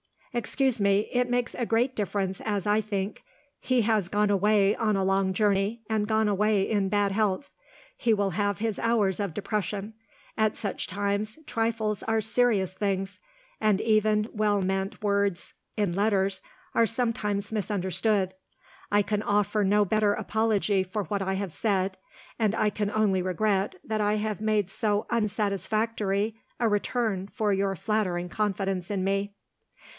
"Excuse me it makes a great difference, as I think. He has gone away on a long journey, and gone away in bad health. He will have his hours of depression. At such times, trifles are serious things; and even well meant words in letters are sometimes misunderstood. I can offer no better apology for what I have said; and I can only regret that I have made so unsatisfactory a return for your flattering confidence in me."